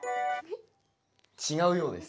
違うようです。